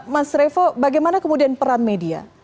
mas revo bagaimana kemudian peran media